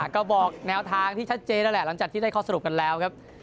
ก็บอกแนวทางที่ชัดเจนแล้วแหละหลังจากที่ได้ข้อสรุปกันแล้วครับ